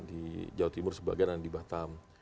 di jawa timur sebagian dan di batam